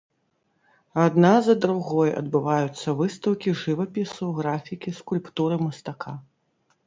Адна за другой адбываюцца выстаўкі жывапісу, графікі, скульптуры мастака.